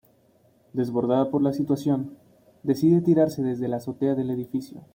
Desbordada por la situación, decide tirarse desde la azotea del edificio.